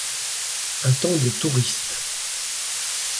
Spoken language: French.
Un temps de touristes.